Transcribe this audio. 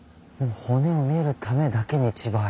骨を見るためだけに千葉へ。